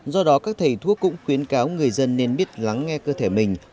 do đó các thầy thuốc cũng khuyến cáo người dân nên biết lắng nghe cơ thể mình